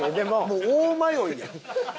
もう大迷いやん。